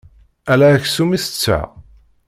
Ala aksum i tetteɣ.